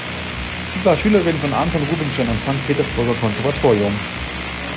Sie war Schülerin von Anton Rubinstein am Sankt Petersburger Konservatorium.